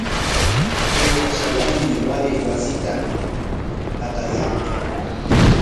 Chay uqashawanmi waray wasita qatayanqa.